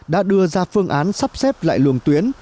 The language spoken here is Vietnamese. đã đưa ra phương án sắp xếp lại luồng tuyến